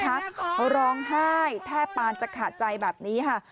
ร้องไห้แทบปานจะขาดใจแบบนี้ค่ะ